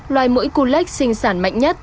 loài mũi kulak sinh sản mạnh nhất